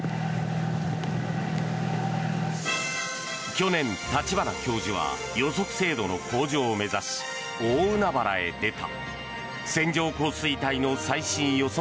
去年、立花教授は予測精度の向上を目指し大海原へ出た。